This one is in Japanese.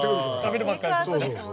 食べるばっかりで。